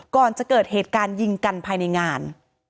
ก่อนจะเกิดเหตุการณ์ยิงกันภายในงาน